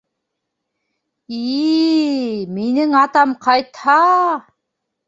И-и... минең атам ҡайтһа-а!